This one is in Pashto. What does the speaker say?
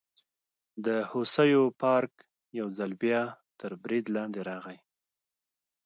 د هوسیو پارک یو ځل بیا تر برید لاندې راغی.